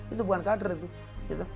itu bukan kader itu